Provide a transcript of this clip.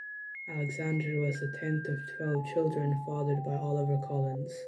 Alexander was the tenth of twelve children fathered by Oliver Collins.